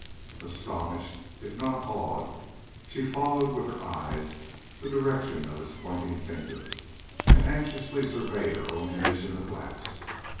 Astonished, if not awed, she followed with her eyes the direction of his pointing finger, and anxiously surveyed her own image in the glass.